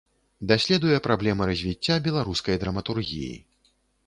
Даследуе праблемы развіцця беларускай драматургіі.